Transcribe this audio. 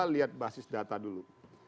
kita lihat basis data dulu